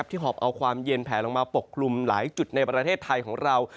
หอบเอาความเย็นแผลลงมาปกคลุมหลายจุดในประเทศไทยของเรา